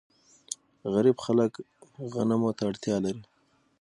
غریب خلک غنمو ته اړتیا لري.